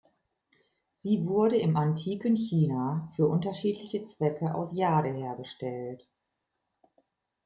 Sie wurde im antiken China für unterschiedliche Zwecke aus Jade hergestellt.